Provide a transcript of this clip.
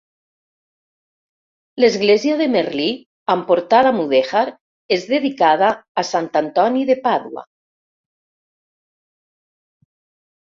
L'església de Merli amb portada mudèjar és dedicada a Sant Antoni de Pàdua.